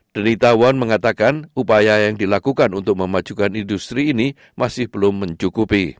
delitawan mengatakan upaya yang dilakukan untuk memajukan industri ini masih belum mencukupi